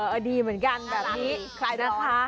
เออดีเหมือนกันแบบนี้นะคะ